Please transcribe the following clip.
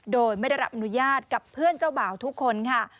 โดยไม่ได้รับอนุญาตกับเพื่อนเจ้าบ่าวทุกคนค่ะ